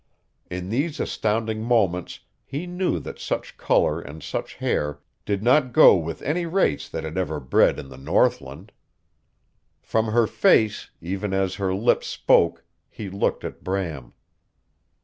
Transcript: In these astounding moments he knew that such color and such hair did not go with any race that had ever bred in the northland. From her face, even as her lips spoke, he looked at Bram.